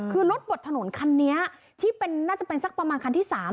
คือรถบหน้าจะเป็นน่าจะเป็นสักประมาณครั้งที่สาม